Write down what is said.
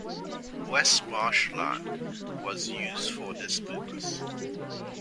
West Marsh land was used for this purpose.